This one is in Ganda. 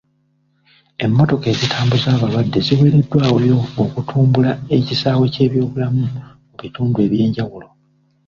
Emmotoka ezitambuza abalwadde ziweereddwayo okutumbula ekisaawe ky'ebyobulamu mu bitundu eby'enjawulo.